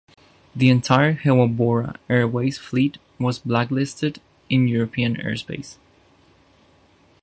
The entire Hewa Bora Airways fleet was blacklisted in European airspace.